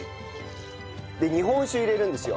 で日本酒入れるんですよ。